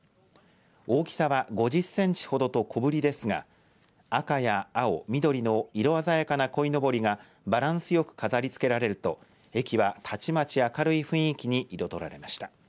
大きさは５０センチほどと小ぶりですが赤や青、緑の色鮮やかなこいのぼりがバランスよく飾りつけられると駅はたちまち明るい雰囲気に彩られました